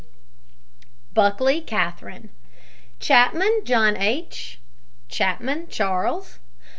C. BUCKLEY, KATHERINE. CHAPMAN, JOHN H. CHAPMAN, CHARLES.